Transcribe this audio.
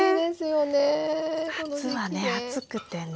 夏はね暑くてね。